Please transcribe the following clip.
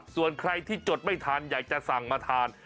ส่วนใครที่จดไม่ทันอยากจะสั่งมาทาน